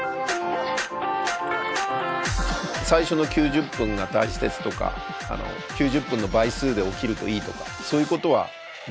最初の９０分が大事ですとか９０分の倍数で起きるといいとかそういうことは誤解。